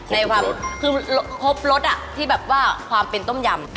ในความคือครบรสที่แบบว่าความเป็นต้มยำ